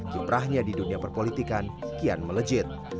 kiprahnya di dunia perpolitikan kian melejit